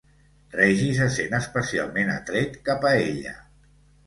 Reggie se sent especialment atret cap a ella.